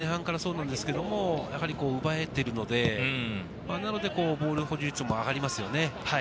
今、成立学園が前半からそうですけど、奪えているので、なのでボール保持率も上がりますよね。